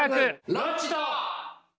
「ロッチと」！